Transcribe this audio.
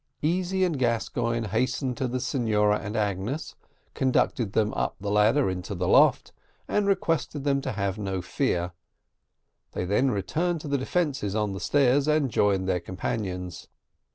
Easy and Gascoigne hastened to the signora and Agnes, conducted them up the ladder into the loft, and requested them to have no fear; they then returned to the defences on the stairs, and joined their companions.